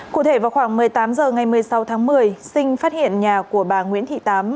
cụ thể vào khoảng một mươi tám h ngày một mươi sáu tháng một mươi sinh phát hiện nhà của bà nguyễn thị tám